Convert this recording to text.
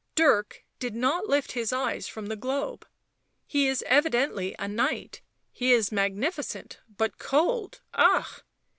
Dirk did not lift his eyes from the globe. "He is evidently a knight ... he is magnificent but cold ... ah